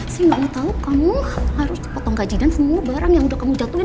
si gak mau tau kamu harus potong gaji dan semua barang yang udah kamu jatuhin